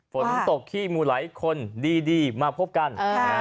ฝนตกขี้มูหลายคนดีมาพบกัน